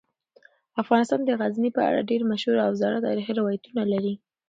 افغانستان د غزني په اړه ډیر مشهور او زاړه تاریخی روایتونه لري.